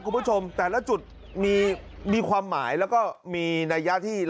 กูจะชมแต่แล้วจุดมีมีความหมายและก็มีนัยที่